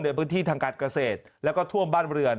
ในพื้นที่ทางการเกษตรแล้วก็ท่วมบ้านเรือน